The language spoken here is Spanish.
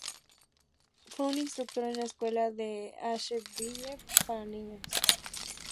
Fue un instructor en la Escuela de Asheville para niños.